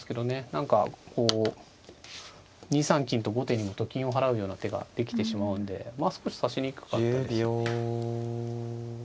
何かこう２三金と後手にもと金を払うような手ができてしまうんで少し指しにくかったですね。